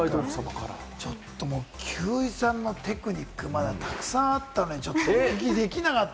ちょっともう休井さんのテクニックまでたくさんあったのにお聞きできなかった。